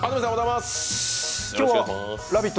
今日は「ラヴィット！」